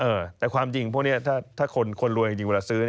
เออแต่ความจริงพวกนี้ถ้าคนรวยจริงเวลาซื้อ